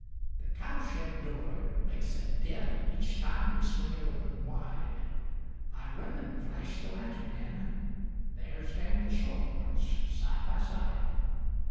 The cow shed door, it makes a din Each time we swing it open wide; I run an' flash the lantern in, There stand the shorthorns side by side.